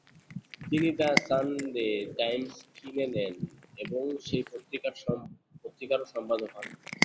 তিনি the Sunday Times কিনে নেন এবং সেই পত্রিকারও সম্পাদক হন।